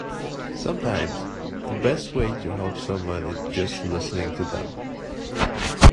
Sometimes the best way to help someone is just listening to them.